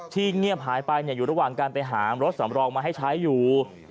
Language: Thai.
เงียบหายไปอยู่ระหว่างการไปหารถสำรองมาให้ใช้อยู่